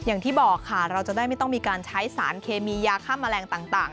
อย่างที่บอกค่ะเราจะได้ไม่ต้องมีการใช้สารเคมียาฆ่าแมลงต่าง